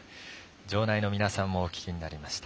場内の皆さんもお聞きになりました。